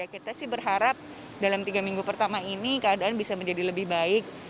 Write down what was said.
kita sih berharap dalam tiga minggu pertama ini keadaan bisa menjadi lebih baik